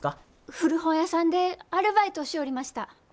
古本屋さんでアルバイトをしょうりました。